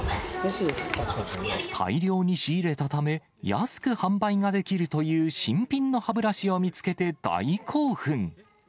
大量に仕入れたため、安く販売ができるという新品の歯ブラシを見つけて、大興奮。